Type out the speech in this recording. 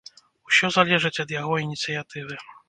Усе залежыць ад яго ініцыятывы.